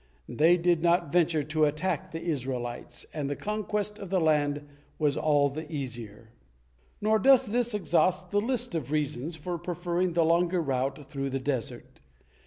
They did not venture to attack the Israelites, and the conquest of the land was all the easier. Nor does this exhaust the list of reasons for preferring the longer route through the desert.